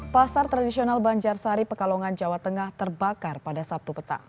pasar tradisional banjarsari pekalongan jawa tengah terbakar pada sabtu petang